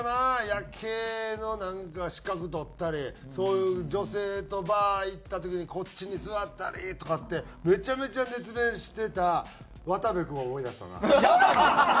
夜景のなんか資格取ったりそういう女性とバー行った時にこっちに座ったりとかってめちゃめちゃ熱弁してた渡部君を思い出したな。